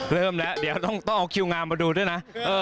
เริ่มแล้วเดี๋ยวต้องเอาคิวงามมาดูด้วยนะ